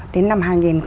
đến năm hai nghìn hai mươi